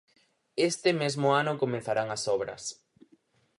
Este mesmo ano comezarán as obras.